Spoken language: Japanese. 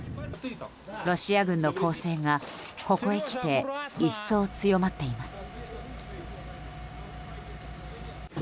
ロシア軍の攻勢が、ここへ来て一層強まっています。